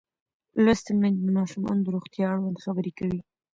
لوستې میندې د ماشومانو د روغتیا اړوند خبرې کوي.